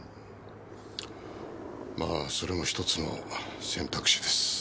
まあそれも１つの選択肢です。